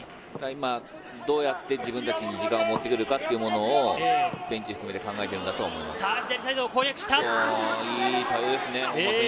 今、どうやって自分たちの時間を持ってくるかっていうのをベンチを含めて考えてるんだと思います。